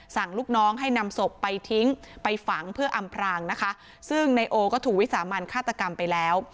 ลูกน้องให้นำศพไปทิ้งไปฝังเพื่ออำพรางนะคะซึ่งนายโอก็ถูกวิสามันฆาตกรรมไปแล้ว